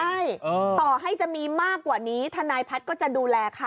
ใช่ต่อให้จะมีมากกว่านี้ทนายพัฒน์ก็จะดูแลค่ะ